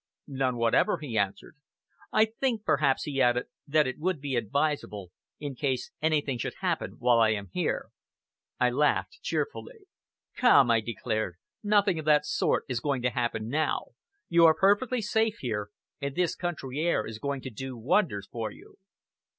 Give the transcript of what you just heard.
"None whatever," he answered. "I think perhaps," he added, "that it would be advisable, in case anything should happen while I am here." I laughed cheerfully. "Come," I declared, "nothing of that sort is going to happen now. You are perfectly safe here, and this country air is going to do wonders for you."